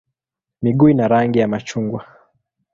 Miguu ina rangi ya machungwa.